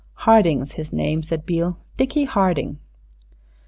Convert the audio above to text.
"Harding's his name," said Beale. "Dickie Harding."